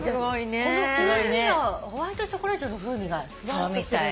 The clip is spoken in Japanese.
この風味はホワイトチョコレートの風味がふわっとするんだ。